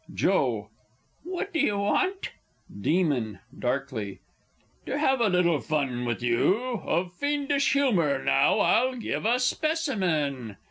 Joe. What do you want? Demon (darkly). To have a little fun with you! Of fiendish humour now I'll give a specimen.